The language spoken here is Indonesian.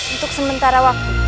untuk sementara waktu